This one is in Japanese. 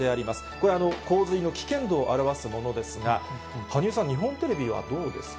これ、洪水の危険度を表すものですが、羽生さん、日本テレビはどうですか？